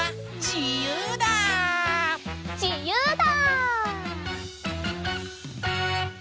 じゆうだ！